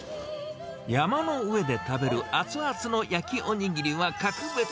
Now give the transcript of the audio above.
山の上で食べる熱々の焼きおにぎりは格別。